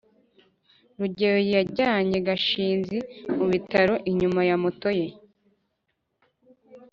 rugeyo yajyanye gashinzi mu bitaro inyuma ya moto ye